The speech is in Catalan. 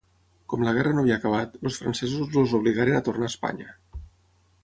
Com la guerra no havia acabat, els francesos els obligaren a tornar a Espanya.